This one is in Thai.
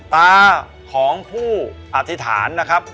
ตาของผู้อธิษฐานนะครับ